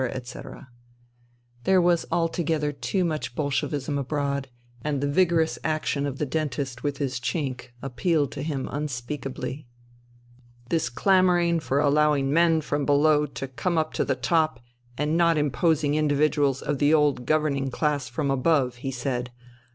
etc. There was altogether too much Bolshevism abroad, and the vigorous action of the dentist with his Chink appealed to him unspeakably. " This clamouring for allowing men from below to come up to the top and not imposing individuals of the old governing class from above," he said.